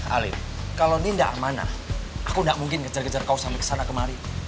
alin kalo ini gak amanah aku gak mungkin kejar kejar kau sampe kesana kemari